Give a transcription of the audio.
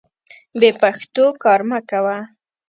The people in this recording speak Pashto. بې پښتو کار مه کوه.